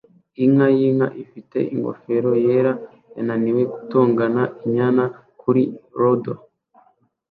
Inka yinka ifite ingofero yera yananiwe gutongana inyana kuri rodeo